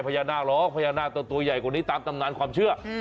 พญานาคเหรอพญานาคตัวใหญ่กว่านี้ตามตำนานความเชื่อ